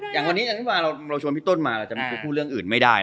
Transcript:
อย่างวันนี้เราชวนพี่ต้นมาจะไม่พูดเรื่องอื่นไม่ได้นะ